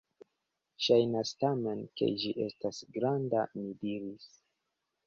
Ŝajnas tamen, ke ĝi estas granda, mi diris.